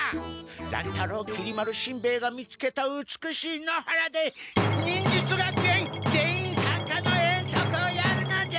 乱太郎きり丸しんべヱが見つけた美しい野原で忍術学園全員さんかの遠足をやるのじゃ！